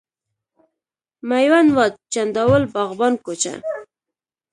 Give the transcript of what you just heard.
میوند واټ، چنداول، باغبان کوچه،